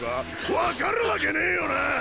分かるわけねぇよな！